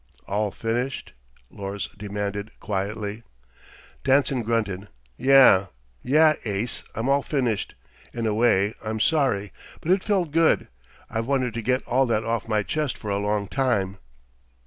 "All finished," Lors demanded quietly. Danson grunted. "Yeah. Yeah, ace, I'm all finished. In a way, I'm sorry ... but it felt good. I've wanted to get all that off my chest for a long time."